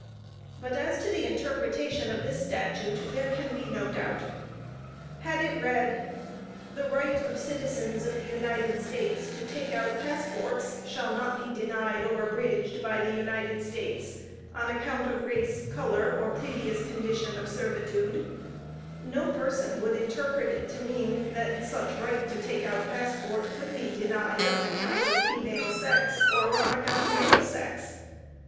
But as to the interpretation of this statute there can be no doubt. Had it read, "The right of citizens of the United States to take out passports, shall not be denied or abridged by the United States, on account of race, color, or previous condition of servitude," no person would interpret it to mean that such right to take out passport could be denied on account of female sex, or on account of male sex.